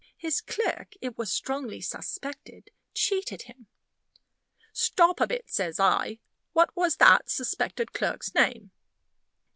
His clerk, it was strongly suspected, cheated him " "Stop a bit," says I. "What was that suspected clerk's name?"